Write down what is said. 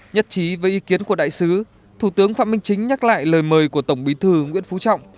nhất trí với ý kiến của đại sứ thủ tướng phạm minh chính nhắc lại lời mời của tổng bí thư nguyễn phú trọng